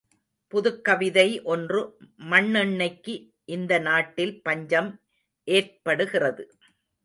புதுக்கவிதை ஒன்று மண்ணெண்ணெய்க்கு இந்த நாட்டில் பஞ்சம் ஏற்படுகிறது.